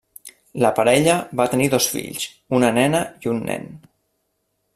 La parella va tenir dos fills, una nena i un nen.